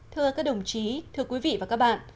thưa các đồng chí thưa quý vị và các bạn